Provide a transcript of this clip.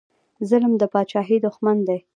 ظلم د پاچاهۍ دښمن دی